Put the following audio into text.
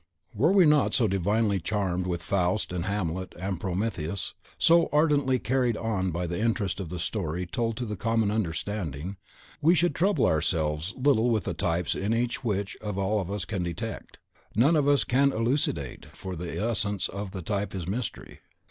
Were we not so divinely charmed with "Faust," and "Hamlet," and "Prometheus," so ardently carried on by the interest of the story told to the common understanding, we should trouble ourselves little with the types in each which all of us can detect, none of us can elucidate; none elucidate, for the essence of type is mystery.